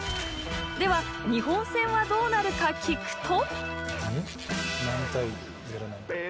では、日本戦はどうなるか聞くと？